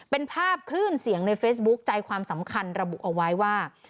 เป็นภาพคลื่นเสียงในเฟซบุ๊คใจความสำคัญระบุเอาไว้ว่า